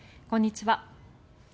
こんにちは。